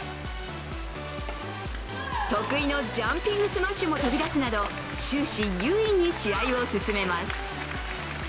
得意のジャンピングスマッシュも飛び出すなど、終始、優位に試合を進めます。